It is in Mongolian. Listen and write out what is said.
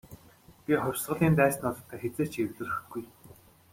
Би хувьсгалын дайснуудтай хэзээ ч эвлэрэхгүй.